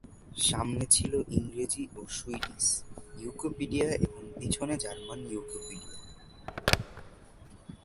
সামনে ছিলো ইংরেজি ও সুইডিশ উইকিপিডিয়া এবং পিছনে জার্মান উইকিপিডিয়া।